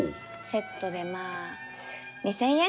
セットでまあ２，０００円。